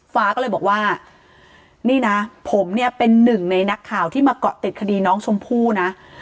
ฟ้าก็เลยบอกว่านี่นะผมเนี่ยเป็นหนึ่งในนักข่าวที่มาเกาะติดคดีน้องชมพู่นะ